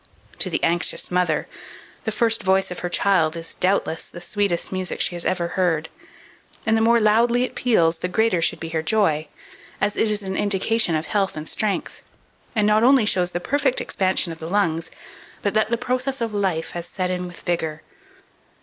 To the anxious mother, the first voice of her child is, doubtless, the sweetest music she ever heard; and the more loudly it peals, the greater should be her joy, as it is an indication of health and strength, and not only shows the perfect expansion of the lungs, but that the process of life has set in with vigour.